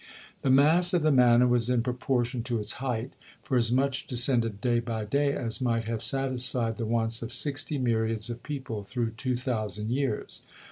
The mass of the manna was in proportion to its height, for as much descended day by day, as might have satisfied the wants of sixty myriads of people, through two thousand years.